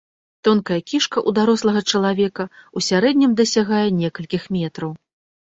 Тонкая кішка у дарослага чалавека ў сярэднім дасягае некалькіх метраў.